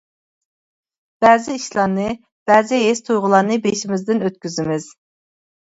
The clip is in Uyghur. بەزى ئىشلارنى، بەزى ھېس-تۇيغۇلارنى بېشىمىزدىن ئۆتكۈزىمىز.